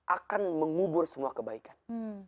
akan mengubur semua kebaikan